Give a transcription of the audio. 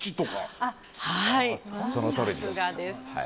そのとおりです。